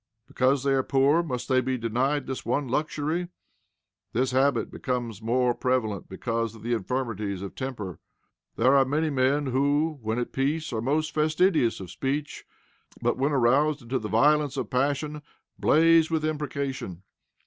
Because they are poor must they be denied this one luxury? This habit becomes more prevalent because of the infirmities of temper. There are many men who, when at peace, are most fastidious of speech, but when aroused into the violence of passion, blaze with imprecation.